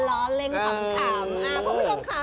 อ่าเหรอเร่งขำ